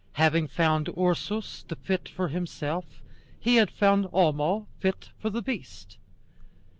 Having found Ursus fit for himself, he had found Homo fit for the beast.